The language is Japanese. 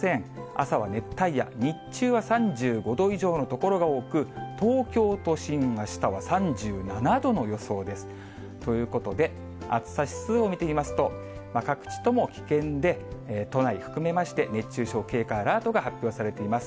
朝は熱帯夜、日中は３５度以上の所が多く、東京都心、あしたは３７度の予想です。ということで、暑さ指数を見ていきますと、各地とも危険で、都内含めまして、熱中症警戒アラートが発表されています。